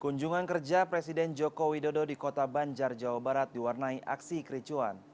kunjungan kerja presiden joko widodo di kota banjar jawa barat diwarnai aksi kericuan